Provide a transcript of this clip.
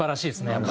やっぱ。